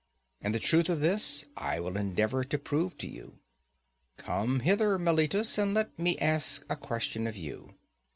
And the truth of this I will endeavour to prove to you. Come hither, Meletus, and let me ask a question of you.